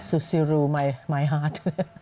ซูซีรูมายฮาร์ท